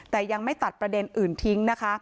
แต่ยังไม่ตัดประเด็นอื่นทิ้งนะคะ